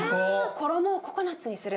衣をココナツにする。